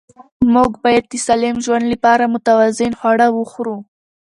موږ باید د سالم ژوند لپاره متوازن خواړه وخورو